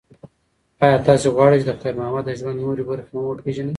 ایا تاسو غواړئ چې د خیر محمد د ژوند نورې برخې هم وپیژنئ؟